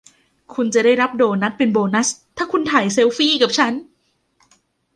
คุณจะได้รับโดนัทเป็นโบนัสถ้าคุณถ่ายเซลฟี่กับฉัน